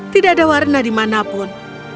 tidak ada warna dimanapun